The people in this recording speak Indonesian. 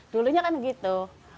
dulunya kan gitu